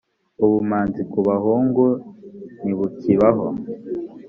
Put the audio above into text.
ubumanzi kubahungu ntibukibaho.